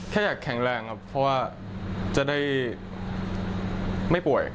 แค่อยากแข็งแรงครับเพราะว่าจะได้ไม่ป่วย